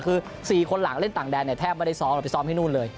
คือ๔คนหลังเล่นต่างแดนเนี่ยแทบไม่ได้ซ้อมเราไปซ้อมที่นู่นเลย